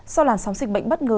sau làn sóng dịch bệnh bất ngờ